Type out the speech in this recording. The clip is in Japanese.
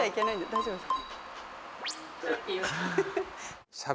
大丈夫ですか。